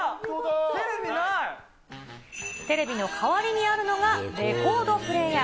テレビの代わりにあるのが、レコードプレーヤー。